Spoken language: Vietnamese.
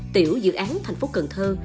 tiểu dự án thành phố cần thơ